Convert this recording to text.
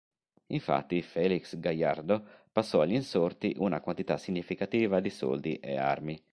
Infatti Félix Gallardo passò agli insorti una quantità significativa di soldi e armi.